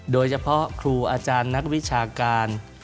โดยเฉพาะครูอาจารย์นักวิชาการ